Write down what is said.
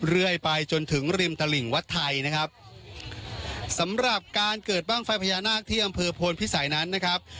เรื่อยไปจนถึงริมตลิ่งวัดไทยนะครับสำหรับการเกิดบ้างไฟพญานาคที่อำเภอโพนพิสัยนั้นนะครับ